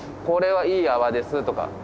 これはいい泡ですとか。